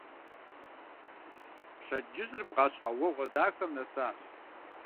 Пщэдджыжьыр бгъащхъуэуэгъуэ дахэм нэсащ.